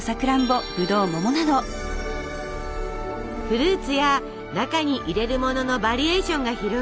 フルーツや中に入れるもののバリエーションが広がり